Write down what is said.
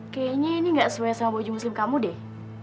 kayaknya ini gak sesuai sama baju muslim kamu deh